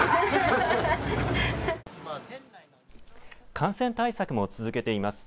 感染対策も続けています。